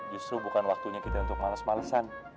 justru bukan waktunya kita untuk males malesan